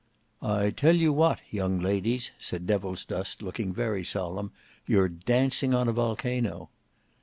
"I tell you what, young ladies," said Devilsdust, looking very solemn, "you're dancing on a volcano."